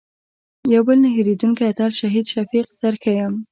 یو بل نه هېرېدونکی اتل شهید شفیق در ښیم.